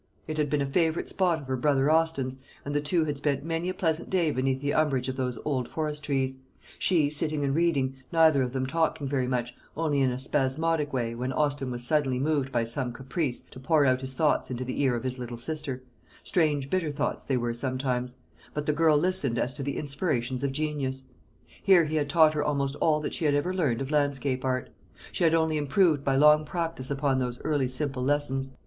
It had been a favourite spot of her brother Austin's, and the two had spent many a pleasant day beneath the umbrage of those old forest trees; she, sitting and reading, neither of them talking very much, only in a spasmodic way, when Austin was suddenly moved by some caprice to pour out his thoughts into the ear of his little sister strange bitter thoughts they were sometimes; but the girl listened as to the inspirations of genius. Here he had taught her almost all that she had ever learned of landscape art. She had only improved by long practice upon those early simple lessons.